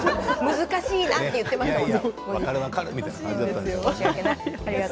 難しいなと言っていましたね。